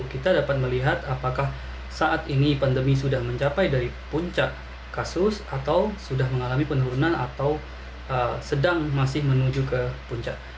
kita dapat melihat apakah saat ini pandemi sudah mencapai dari puncak kasus atau sudah mengalami penurunan atau sedang masih menuju ke puncak